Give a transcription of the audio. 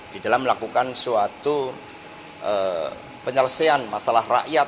di dalam melakukan suatu penyelesaian masalah rakyat